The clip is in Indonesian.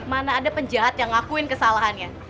mana ada penjahat yang ngakuin kesalahannya